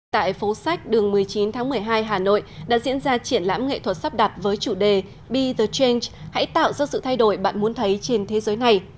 tại phố sách đường một mươi chín tháng một mươi hai hà nội đã diễn ra triển lãm nghệ thuật sắp đặt với chủ đề bea the changch hãy tạo ra sự thay đổi bạn muốn thấy trên thế giới này